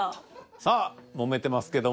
さあもめてますけども。